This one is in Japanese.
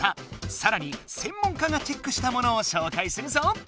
さらにせん門家がチェックしたものをしょうかいするぞ！